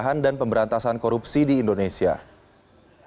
pertemuan pimpinan kpk dengan pimpinan dpr hanya membahas hal tersebut